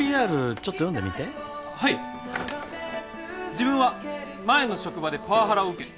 ちょっと読んでみてはい「自分は前の職場でパワハラを受け」